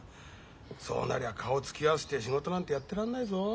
そうなりゃ顔突き合わせて仕事なんてやってらんないぞ。